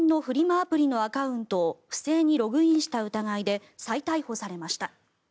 アプリのアカウントを不正にログインした疑いで再逮捕されました。